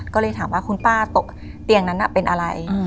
ก็เลยถามว่าคุณป้าตกเตียงนั้นเป็นอะไร